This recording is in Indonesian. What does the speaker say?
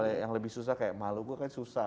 daerah yang lebih susah kayak maluku kan susah